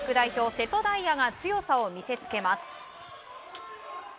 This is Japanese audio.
瀬戸大也が強さを見せつけます。